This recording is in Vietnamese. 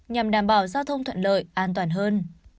nhằm đảm bảo giao thông thuận lợi an toàn hơn